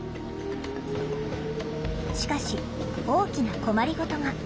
しかし大きな困り事が。